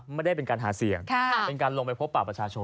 ไม่ได้เป็นการหาเสียงเป็นการลงไปพบปากประชาชน